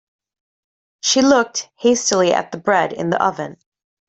She looked hastily at the bread in the oven.